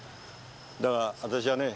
だが私はね